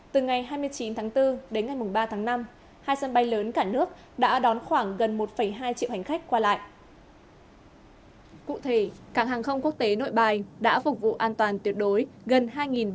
tuy nhiên cần hết sức cẩn trọng để bảo vệ thông tin